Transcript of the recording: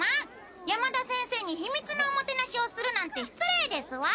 山田先生にひみつのおもてなしをするなんて失礼ですわ！